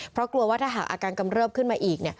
เพราะกลัวว่าถ้าหากอาการกำเริบขึ้นมาอีก